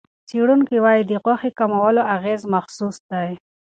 څېړونکي وايي، د غوښې کمولو اغېز محسوس دی.